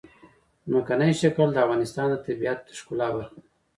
ځمکنی شکل د افغانستان د طبیعت د ښکلا برخه ده.